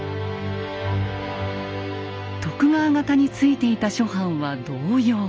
徳川方についていた諸藩は動揺。